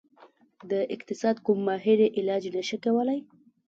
د اقتصاد کوم ماهر یې علاج نشي کولی.